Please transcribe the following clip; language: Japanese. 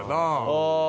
ああ。